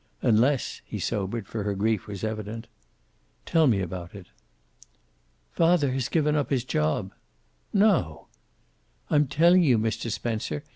Unless " he sobered, for her grief was evident. "Tell me about it." "Father has given up his job." "No!"! "I'm telling you, Mr. Spencer.